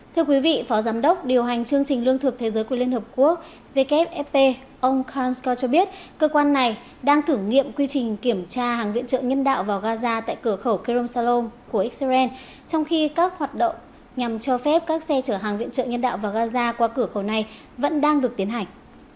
thưa quý vị phó giám đốc điều hành chương trình lương thực thế giới của liên hợp quốc wfp ông karl scott cho biết cơ quan này đang thử nghiệm quy trình kiểm tra hàng viện trợ nhân đạo vào gaza tại cửa khẩu kerem salom của israel trong khi các hoạt động nhằm cho phép các xe chở hàng viện trợ nhân đạo vào gaza qua cửa khẩu này vẫn đang được tiến hành